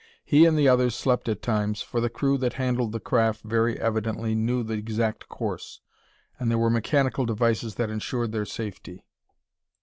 He and the others slept at times, for the crew that handled the craft very evidently knew the exact course, and there were mechanical devices that insured their safety.